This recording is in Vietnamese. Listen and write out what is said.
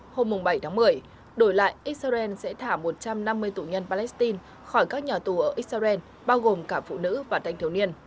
hôm bảy tháng một mươi đổi lại israel sẽ thả một trăm năm mươi tù nhân palestine khỏi các nhà tù ở israel bao gồm cả phụ nữ và thanh thiếu niên